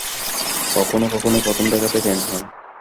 কখনও কখনও প্রথম দেখাতেই প্রেম হয়।